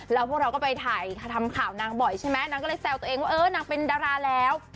แล้วพวกเราก็ไปถ่ายทำข่าวนางบ่อยใช่ไหมนางก็เลยแซวตัวเองว่าเออนางเป็นดาราแล้ว